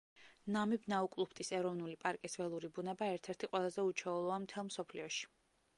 ნამიბ-ნაუკლუფტის ეროვნული პარკის ველური ბუნება ერთ-ერთი ყველაზე უჩვეულოა მთელ მსოფლიოში.